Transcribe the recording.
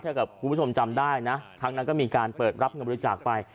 กับคุณผู้ชมจำได้นะครั้งนั้นก็มีการเปิดรับเงินบริจาคไป